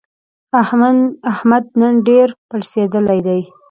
احمد نن ډېر پړسېدلی دی.